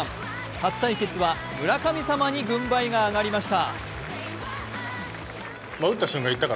初対決は村神様に軍配が上がりました。